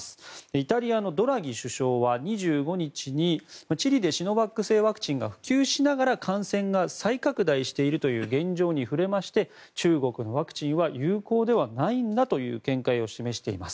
イタリアのドラギ首相は２５日にチリでシノバック製ワクチンが普及しながら感染が再拡大しているという現状に触れまして中国のワクチンは有効ではないんだという見解を示しています。